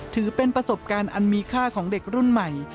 ถือเป็นประสบการณ์อันมีค่าของเด็กรุ่นใหม่